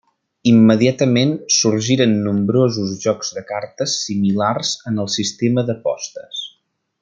Immediatament sorgiren nombrosos jocs de cartes similars en el sistema d'apostes.